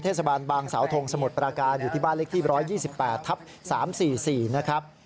เทศบาลบางสาวทงสมุทรปราการอยู่ที่บ้านเล็กที่๑๒๘ทับ๓๔๔นะครับ